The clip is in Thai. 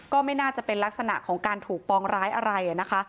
ก็ไม่น่าจะเป็นลักษณะของการถูกปองร้ายอะไรนะคะ